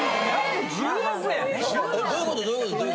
どういうことどういうこと？